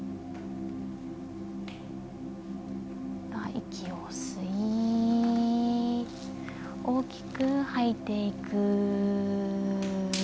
息を吸い、大きく吐いていく。